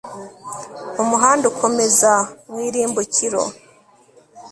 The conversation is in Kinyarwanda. Umuhanda ukomeza mu irimbukiro